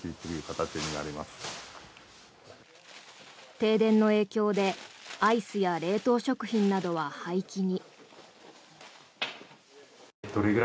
停電の影響でアイスや冷凍食品などは廃棄に。